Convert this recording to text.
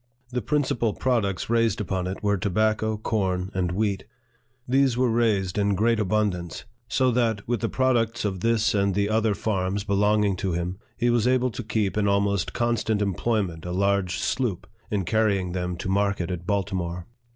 The principal products raised upon it were tobacco, corn, and wheat. These were raised in great abun LIFE OF FREDERICK DOUGLASS. 9 dance ; so that, with the products of this and the other farms belonging to him, he was able to keep in almost constant employment a large sloop, in carrying them to market at Baltimore.